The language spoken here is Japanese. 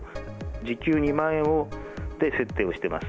時給２万円で設定をしてます。